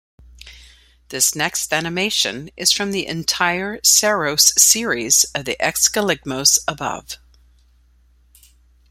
This next animation is from the entire saros series of the exeligmos above.